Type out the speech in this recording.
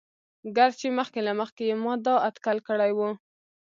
ګر چې مخکې له مخکې يې ما دا اتکل کړى وو.